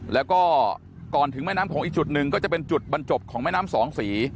แล้วก็ก่อนถึงแม่น้ำโขงอีกจุดหนึ่งก็จะเป็นจุดบรรจบของแม่น้ำสองสี